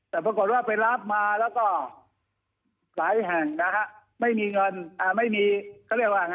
แต่ปรากฏว่าไปรับมาแล้วก็หลายแห่งนะฮะ